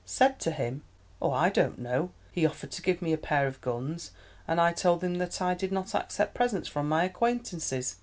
"Said to him? oh, I don't know. He offered to give me a pair of guns, and I told him that I did not accept presents from my acquaintances.